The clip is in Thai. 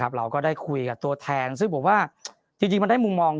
ครับเราก็ได้คุยกับตัวแทนซึ่งบอกว่าจริงจริงมันได้มุมมอง